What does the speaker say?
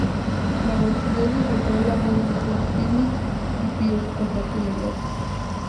Trabucchelli recordó la voz del grupo Pic-nic y pidió su contacto inmediato.